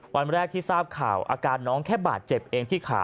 วันแรกที่ทราบข่าวอาการน้องแค่บาดเจ็บเองที่ขา